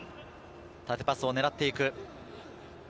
縦パスを狙っていく。